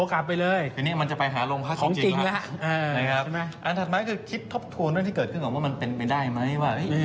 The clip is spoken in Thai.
คือเนี่ยมันจะไปหาลงพักจริงครับอันถัดมาก็คือคิดทบทวนเรื่องที่เกิดขึ้นก่อนว่ามันเป็นไปได้ไหมว่า